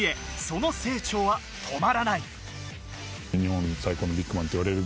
その成長は止まらない。